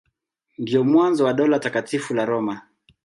Ndio mwanzo wa Dola Takatifu la Roma.